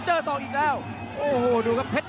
เจอศอกอีกแล้วโอ้โหดูครับ